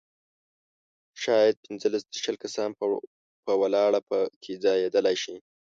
شاید پنځلس تر شل کسان په ولاړه په کې ځایېدلای شي.